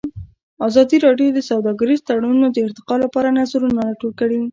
ازادي راډیو د سوداګریز تړونونه د ارتقا لپاره نظرونه راټول کړي.